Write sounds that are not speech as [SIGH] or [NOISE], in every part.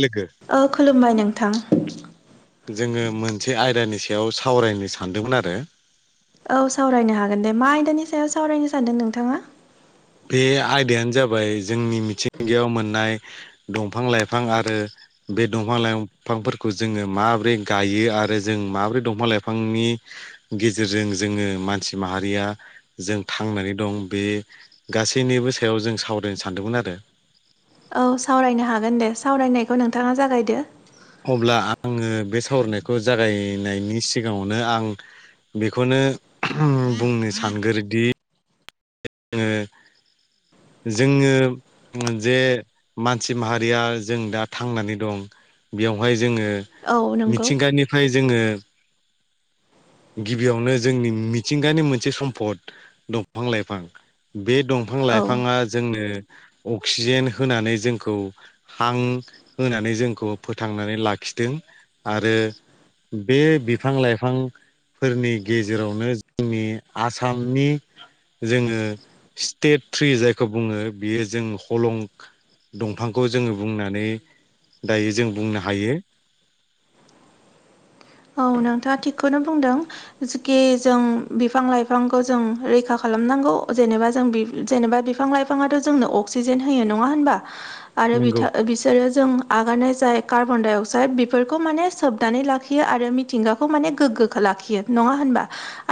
लोगो ओ खुलुमबाय नोंथां। जोङो मोनसे आयदानि सायाव सावरायनो सानदोंमोन आरो। औ सावरायनो हागोन दे मा आयदानि सायाव सावरायनो सानदों नोंथाङा? बे आयदायानो जाबाय जोंनि मिथिंगायाव मोननाय दंफां लाइफां आरो बे दंफां लाइफांफोरखौ जोङो माबोरै गायो आरो जों माब्रै दंफां लाइफांनि गेजेरजों जोङो मानसि माहारिया जों थांनानै दं बे गासैनिबो सायाव जों सावरायनो सानदोंमोन आरो। औ सावरायनो हागोन दे सावरायनायखौ नोंथाङा जागायदो। अब्ला आङो बे सावरायनायखौ जागायनायनि सिगाङावनो आं बेखौनो बुंनो सानग्रोयोदि जोङो जोङो जे मानसि माहारिया जों दा थांनानै दं बेवहाय जोङो औ नंगौ मिथिंगानिफ्राय जोङो गिबियावनो जोंनि मिथिंगानि मोनसे सम्फद दंफां लाइफां बे दंफां औ लाइफाङा जोंनो अक्सिजेन होनानै जोंखौ हां होनानै जोंखौ फोथांनानै लाखिदों आरो बे बिफां लाइफां फोरनि गेजेरावनो जोंनि आसामनि जोङो स्टेट थ्रि जायखौ बुङो बियो जों हलं दंफांखौ जोङो बुंनानै दायो जों बुंनो हायो औ नोंथाङा थिगखौनो बुंदों ि जों बिफां लाइफांखौ जों रैखा खालामनांगौ जेनेबा जों जेनेबा बिफां लाइफां बिफाङआथ' जोंनो अक्सिजेन होयो नङा होनबा आरो नंगौ बिथां बिसोरो जों आगारनाय जाय कार्बन डाइ अक्साइद बेफोरखौ माने सोबनानै लाखियो आरो मिथिंगाखौ माने गोग्गोखौो लाखियो नङा होनबा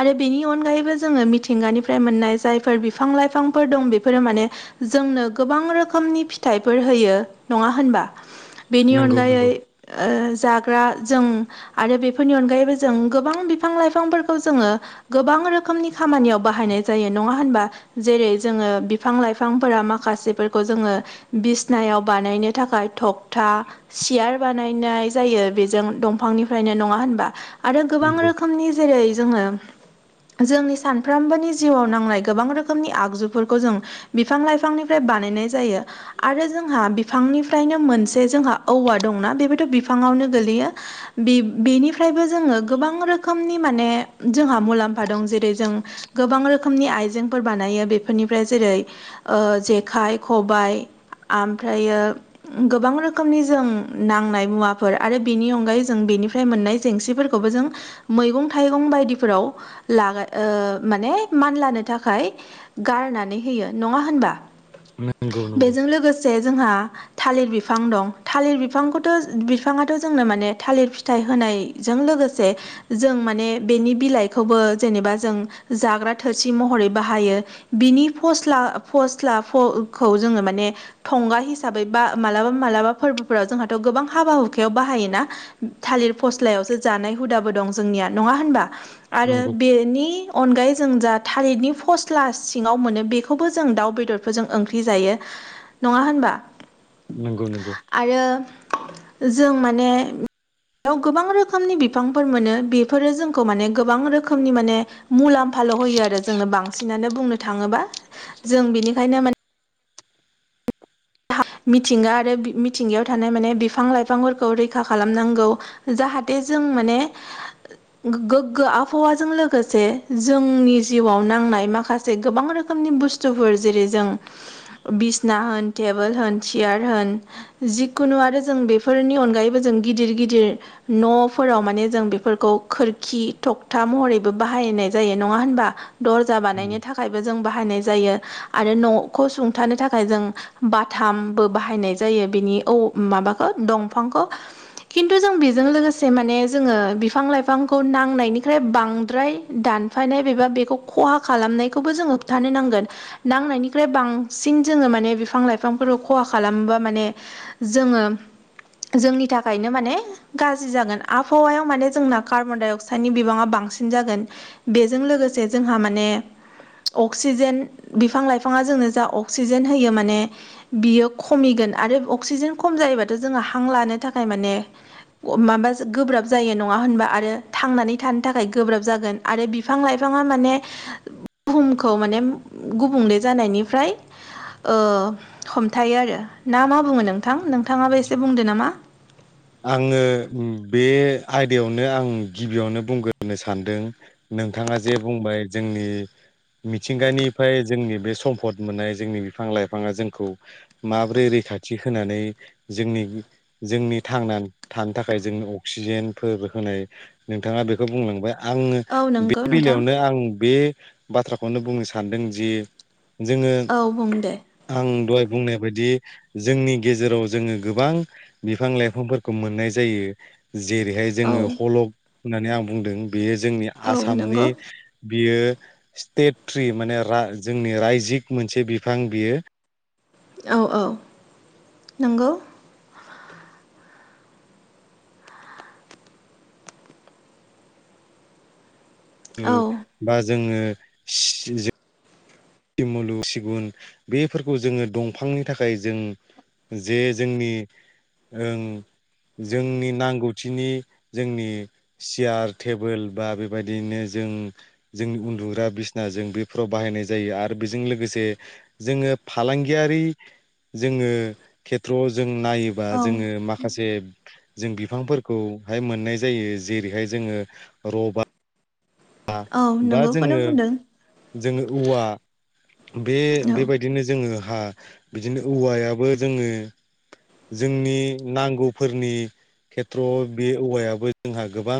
आरो बेनि अनगायैबो जोङो मिथिंगानिफ्राय मोननाय जायफोर बिफां लाइफांफोर दं बेफोरो माने जोंनो गोबां रोखोमनि फिथाइफोर होयो नङा होनबा बेनि नंगौ अनगायै नंगौ जाग्रा जों आरो बे फोरनि अनगायैबो जों गोबां बिफां लाइफांफोरखौ जोङो गोबां रोखोमनि खामानियाव बाहायनाय जायो नङा होनबा जेरै जोङो बिफां लाइफांफोरा माखासेफोरखौ जोङो बिसनायाव बानायनो थाखाय थगथा सियार बानायनाय जायो बेजों दंफांनिफ्रायनो नङा होनबा आरो गोबां नंगौ रोखोमनि जेरै जोङो जोंनि सानफ्रोमबोनि जिउआव नांनाय गोबां रोखोमनि आगजुफोरखौ जों बिफां लाइफांनिफ्राय बानायनाय जायो आरो जोंहा बिफांनिफ्रायनो मोनसे जोंहा औवा दंना बेबोथ' बिफाङावनो गोलैयोनि ओमफ्रायबो जोङो गोबां रोखोमनि माने जोंहा मुलाम्फा दं जेरै जों गोबां रोखोमनि आइजेंफोर बानायो बेफोरनिफ्राय जेरै जेखाइ खबायाइ ओमफ्रायो गोबां रोखोमनि जों नांनाय मुवाफोर आरो बेनि अनगायै जों बेनिफ्राय मोननाय जेंसिफोरखौबो जों मैगं थाइगं बायदिफोराव लागा माने मान लानो थाखाय गारनानै होयो नङा होनबा नंगौ नंगौ बेजों लोगोसे जोंहा थालिर बिफां दं थालिर बिफांखौथ' बिफाङाथ' जोंनो माने थालिर फिथाइ होनाय जों लोगोसे जों माने बेनि बिलाइखौबो जेनेबा जों जाग्रा थोरसि महरै बाहायो बिनि फस्ला फस्लाखौ जोङो माने थंगा हिसाबै बा मालाबा मालाबा फोरबोफोराव जोंहाथ' गोबां हाबा हुखायाव बाहायोना थालिर फस्लायावसो जानाय हुदाबो दं जोंनिया नङा होनबा आरो बेनि अनगायै जों जा थारिरनि फस्ट्ला सिङाव मोनो बेखौबो जों दाउ बेदरफोरजों ओंख्रि जायो नङा होनबा नंगौ नंगौ आरो जों माने बेयाव गोबां रोखोमनि बिफांफोर मोनो बेफोरो जोंखौ माने गोबां रोखोमनि माने मुलाम्फाल' होयो आरो जोंनो बांसिनानो बुंनो थाङोबा जों बिनिखायनो माने मिथिंगा आरो मिथिंगायाव थानाय माने बिफां लाइफांफोरखौ रैखा खालामनांगौ जाहाथे जों माने गोग्गो आबहावाजों लोगोसे जोंनि जिउआव नांनाय माखासे म गोबां रोखोमनि बुस्थुफोर जेरै जों बिसिना होन टेबोल होन सियार होन जिखुनु आरो जों बेफोरनि अनगायैबो जों गिदिर गिदिर न'फोराव माने जों बेफोरखौ खोरखि थखथा महरैबो बाहायनाय जायो नङा होनबा दर्जा बानायनो थाखायबो जों बाहायनाय जायो बाथामबो बाहायनाय जायो बिनि औ माबाखौ दंफांखौ किन्थु जों बेजों लोगोसे माने जोङो बिफां लाइफांखौ नांनायनिफ्राय बांद्राय दान हफायनाय एबा बेखौ खहा खालामनायखौबो जोङो होबथानो नांगोन नांनायनिख्रुइ बांसिन जोङो माने बे बिफां लाइफांफोरखौ खहा खालामोबा माने जोङो जोंनि थाखायनो माने गाज्रि जागोन आबहावायाव माने जोंना कार्बन डाइ अक्साइडनि बिबाङा बांसिन जागोन। बेजों लोगोसे जोंहा माने अक्सिजेन बिफां लाइफाङा जोंनो जा अक्सिजेन होयो माने बियो खमिगोन आरो अक्सिजेन खम जायोबाथ' जोङो हां लानो थाखाय माने अ माबा जो गोब्राब जायो नङा होनबा आरो थांनानै थानो थाखाय गोब्राब जागोन आरो बि बिफां लाइफाङा माने बुहुमखौ माने गुबुंले जानायनिफ्राय ओ हमथायो आरो ना मा बुङो नोंथां नोंथाङाबो एसे बुंदो नामा। आङो बे आयदायावनो आं गिबियावनो बुंग्रोनो सानदों। नोंथाङा जे बुंबाय जोंनि मिथिंगानिफ्राय जोंनि बे सम्फद मोननाय जोंनि बिफां लाइफाङा जोंखौ माब्रै रैखाथि होनानै जोंनि जोंनि थांनानै थानो थाखाय जोंनो अक्सिजेनफोर होनाय नोंथाङा बेखौ बुंलांबाय। आङो औ बे नंगौ नोंथां बेलायावनो आं बे बाथ्राखौनो बुंनो सानदों जि जोङो औ बुं दे आं दहाय बुंनाय बायदि जोंनि गेजेराव जोङो गोबां बिफां लाइफां बिफांफोरखौ मोननाय जायो जेरैहाय औ जोङो हलक होननानै आं बुंदों बेयो जोंनि औ आसामनि नंगौ बियो स्टेट ट्रि माने रा जोंनि रायजिक मोनसे बिफां बियो औ औ नंगौ। औ बा जोङो [UNINTELLIGIBLE] दुमुलु सिगुन बेफोरखौ जोङो दंफांनि थाखाय जों जे जोंनि ओं जोंनि नांगौथिनि जोंनि सियार टेबोल बा बेबायदिनो जों जोंनि उन्दुग्रा बिसना जों बेफोराव बाहायनाय जा जायो आरो बेजों लोगोसे जोङो फालांगियारि जोङो खेथ्र'आव जों नायोबा औ जोङो माखासे जों बिफांफोरखौहाय मोननाय जायो जेरैहाय जोङो रबार बा औ बा नंगौखौनो जोङो बुंदों जोङो औवा बे औ बेबायदिनो जोङो हा बिदिनो औवायाबो जोंनो जोंनि नांगौफोरनि खेथ्र'आव बे औवायाबो जोंहा गोबां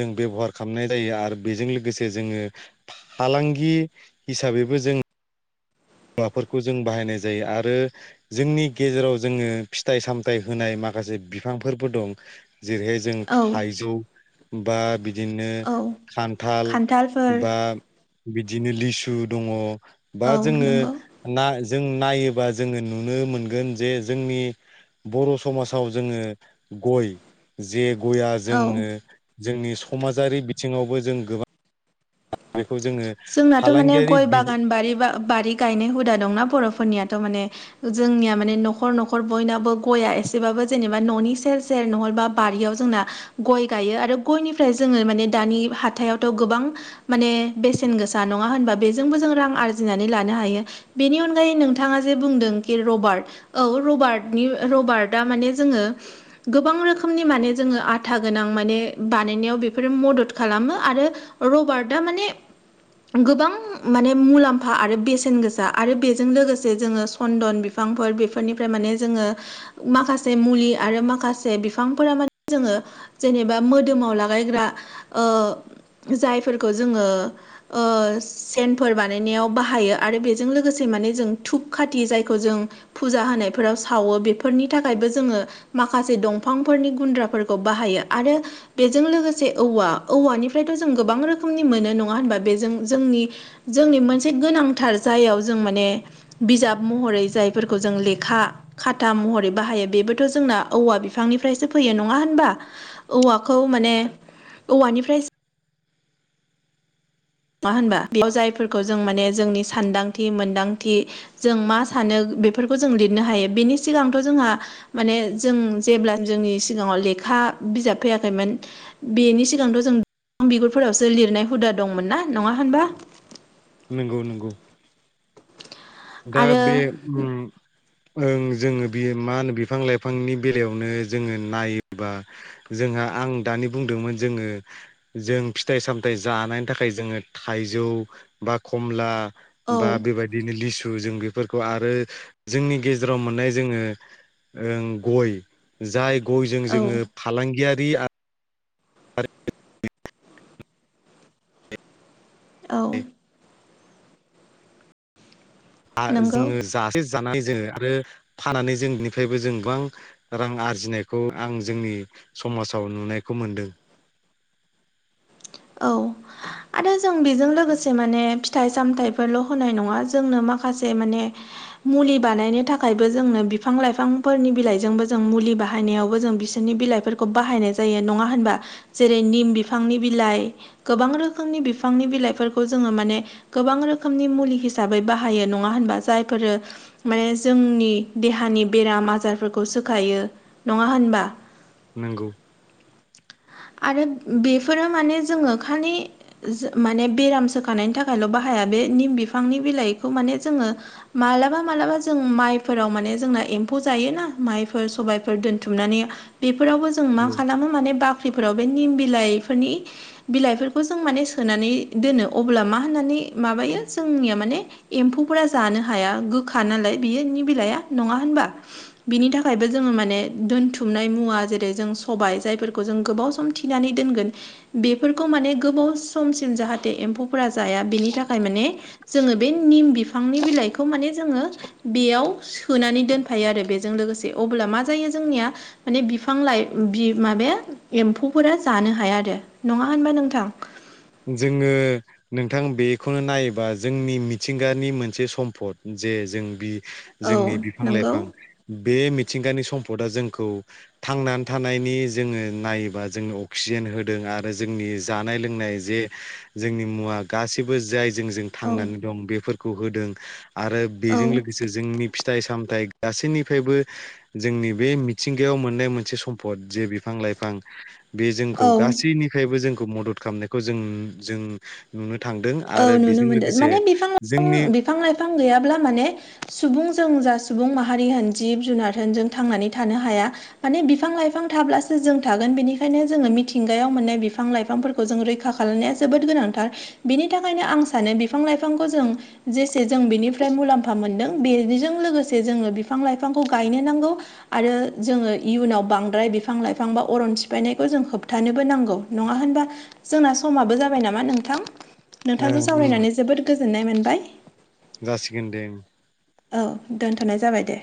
जों बेबहार खामनाय जायो आरो बेजों लोगोसे जोङो फालांगि हिसाबैबो जों मुवाफोरखौ जों बाहायनाय जायो आरो जोंनि गेजेराव जोङो फिथाइ सामथाइ होनाय माखासे बिफांफोरबो दं'जेरैहाय जों औ थाइजौ बा बिदिनो औ खान्थाल खान्थालफोर बा बिदिनो लिसु दङ' बा औ। जोङो नंगौ ना जों नायोबा जोङो नुनो मोनगोन जे जोंनि बर' समाजाव जोङो गय जे गया औ जोंनो जोंनि समाजारि बिथिङावबो जों गोबां बेखौ जोङो जोंनाथ' माने फालांगियारि गय बि बागान बारि बा बारि गायनाय हुदा दंना बर'फोरनियाथ' माने जोंनिया माने न'खर न'खर बयनाबो गया एसेबाबो जेनेबा न'नि सेर सेर सेर नहलबा बारियाव जोंना गय गायो आरो गयनिफ्राय जोङो माने दानि हाथायावथ' गोबां माने बेसेन सेन गोसा नङा होनबा बेजोंबो जों रां आरजिनानै लानो हायो। बेनि अनगायै नोंथाङा जे बुंदों कि रबार्ट औ रबार्टनि रबार्टआ माने जोङो गोबां रोखोमनि माने जोङो आथा गोनां माने बानायनायाव बेफोरो मदद खालामो आरो रबार्टआ माने गोबां माने मुलाम्फा आरो बेसेन गोसा आरो बेजों लोगोसे जोङो सन्दन बिफांफोर बेफोरनिफ्राय माने जोङो माखासे मुलि आरो माखासे बिफांफोरा माने जोङो जेनेबा मोदोमाव लागायग्रा जायफोरखौ जोङो सेनफोर बानायनायाव बाहायो आरो बेजों लोगोसे माने जों धुप खाथि जायखौ जों फुजा होनायफोराव सावो बेफोरनि थाखायबो जोङो माखासे दंफांफोरनि गुन्द्राफोरखौ बाहायो आरो बेजों लोगोसे औवा औवानिफ्रायथ' जों गोबां रोखोमनि मोनो नङा होनबा बे जों जोंनि जोंनि मोनसे गोनांथार जायगायाव जों माने बिजाब महरै जायफोरखौ जों लेखा खाथा महरै बाहायो बेबोथ' जोंना औवा बिफांनिफ्रायसो फैयो नङा होनबा औवाखौ माने औवानिफ्राय मा होनबा बेयाव जायफोरखौ जों माने जोंनि सानदांथि मोनदांथि जों मा सानो बेफोरखौ जों लिरनो हायो बेनि सिगांथ' जोंहा माने जों जेब्ला जोंनि सिगाङाव लेखा बिजाब फैयाखैमोन बेनि सिगांथ' जों बिगुरफोरावसो लिरनाय हुदा दंमोन ना नङा होनबा? नंगौ नंगौ दा आरो बे ओम ओं जोङो बे मा होनो बिफां लाइफांनि बेलायावनो जोङो नायोबा जोंहा आं दानि बुंदोंमोन जोङो जों फिथाइ सामथायाइ जानायनि थाखाय जोङो थाइजौ बा खमला औ बा बेबायदिनो लिसु जों बेफोरखौ आरो जोंनि गेजेराव मोननाय जोङो गय जाय गयजों औ जोङो फालांगियारि आरो औ नंगौ जोङो जासे जानानै जोङो आरो फानानै जों बिनिफ्रायबो जों गोबां रां आरजिनायखौ आं जोंनि समाजाव नुनायखौ मोनदों औ [INAUDIBLE] आरो जों बेजों लोगोसे माने फिथाइ सामथाइफोरल' होनाय नङा जोंनो माखासे माने मुलि बानायनो थाखायबो जोंनो बिफां लाइफांफोरनि बिलाइजोंबो जों मुलि बाहायनायावबो जों बिसोरनि बिलाइ फोरखौ बाहानाय जायो नङा होमबा जेरै निम बिफांनि बि लाइ गोबां रोखोमनि बिफांनि बिलाइफोरखौ जोङो माने गोबां रोखोमनि मुलि हिसाबै बाहायो नङा होनबा जायफोरो माने जोंनि देहानि बेराम आजारफोरखौ सोखायो नङा होनबा नोंगौ आरो बेफोरो माने जोङो खालि माने बेराम सोखानायनि थाखायल' बाहाया बे निम बिफांनि बिलाइखौ माने जोङो मालाबा माबालाबा जों माइफोराव माने जोंना एम्फौ जायोना माइफोर सबायफोर दोनथुमनानै बेफोरावबो जों मा औ खालामो माने बाख्रिफोराव बे निम बिलाइफोरनि बिलाइफोरखौ जों माने सोनानै दोनो अब्ला मा होननानै माबायो जोंनिया माने एम्फौफोरा जानो हाया गोखा नालाय बियो निम बिलाइया नङा होनबा बिनि थाखायबो जोङो माने दोनथुमनाय मुवा जेरै जों सबाय जायफोरखौ जों गोबाव सम थिनानै दोनगोन बेफोरखौ माने गोबाव समसिम जाहाथे एम्फौफोरा जाया बेनि थाखाय माने जोङो बे निम बिफांनि बिलाइखौ माने जोङो बेयाव सोनानै दोनफायो आरो बेजों लोगोसे अब्ला मा जायो जोंनिया माने बिफां लाइ माबाया एम्फौफोरा जानो हाया आरो नङा होनबा नोंथां? जोङो नोंथां बेखौ नायोबा जोंनि मिथिंगानि मोनसे सम्पद जे जों बि औ जोंनि बिफां नंगौ लाइफां बे मिथिंगानि सम्पदा जोंखौ थांनानै थानायनि जोङो नायोबा जोंनो अक्सिजेन होदों आरो। जोंनि जानाय लोंनाय जे जोंनि मुवा गासैबो जाय जों जों औ थांनानै दं बेफोरखौ होदों। आरो औ बेजों लोगोसे जोंनि फिथाइ सामथाइ गासैनिफ्रायबो जोंनि बे मिथिंगायाव मोननाय मोनसे सम्पद जे बिफां लाइफां बे जोंखौ औ गासैनिफ्रायबो जोंखौ मदद खालामनायखौ जों जों नुनो थांदों औ आरो नुनो बेजों मोनदों लोगोसे माने बिफां जोंनि लाइफां बिफां लाइफां गैयाब्ला माने सुबुं जों जा सुबुं माहारि होन जिब जुनारजों थांनानै थानो हाया। माने बिफां लाइफां थाब्लासो जों थागोन। बेनिखायनो जोङो मिथिंगायाव मोननाय बिफां लाइफांफोरखौ जों रैखा खालामनाया जोबोद गोनांथार। बिनि थाखायनो आं सानो बिफां लाइफांखौ जों जेसे जों बिनिफ्राय मुलाम्फा मोन्दों। बेजों लोगोसे जोङो बिफां लाइफांखौ गायनो नांगौ। आरो जोङो इयुनाव बांद्राय बिफां लाइफां बा अरन सिफायनायखौ जों होबथानोबो नांगौ। नङा होनबा जोंना समाबो जाबाय नामा नोंथां। ओ नोंथांजों सावरायनानै जोबोद गोजोननाय मोनबाय। जासिगोन दे। औ दोनथ'नाय जाबाय दे।